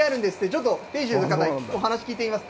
ちょっと店主の方にお話聞いてみます。